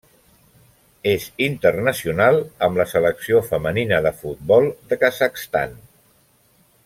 És internacional amb la Selecció femenina de futbol de Kazakhstan.